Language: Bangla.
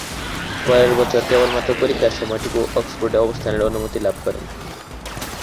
পরের বছর কেবলমাত্র পরীক্ষার সময়টুকু অক্সফোর্ডে অবস্থানের অনুমতি লাভ করেন।